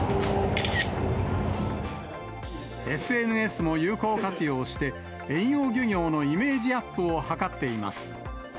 ＳＮＳも有効活用して、遠洋漁業のイメージアップを図っています。